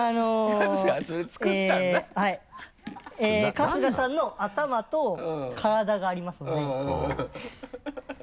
春日さんの頭と体がありますのでうんうん